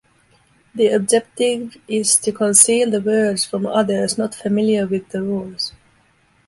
The objective is to conceal the words from others not familiar with the rules.